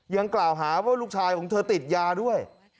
ยังกล่าวหาว่าลูกชายของเธอติดยาด้วย